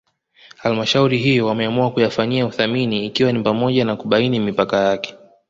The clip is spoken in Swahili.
Halmshauri hiyo wameamua kuyafanyia uthamini ikiwa ni pamoja na kubaini mipaka yake